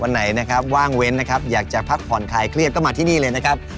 วันไหนว่างเว้นอยากจะพักผ่อนคลายเครียดก็มาที่นี่เลยนะครับ